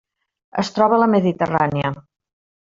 Es troba a la Mediterrània.